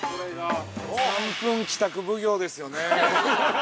◆３分帰宅奉行ですよね。